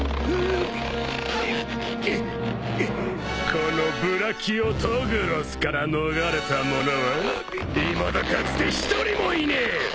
このブラキオとぐロスから逃れた者はいまだかつて１人もいねえ！